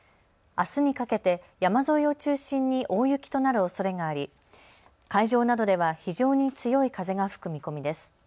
あすにかけて山沿いを中心に大雪となるおそれがあり海上などでは非常に強い風が吹く見込みです。